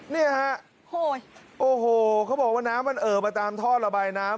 นี่ฮะโอ้โหเขาบอกว่าน้ำมันเอ่อประจำทอดระบายน้ำ